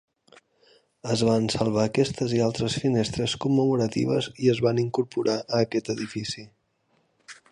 Es van salvar aquestes i altres finestres commemoratives i es van incorporar a aquest edifici.